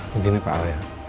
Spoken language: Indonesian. begini pak alia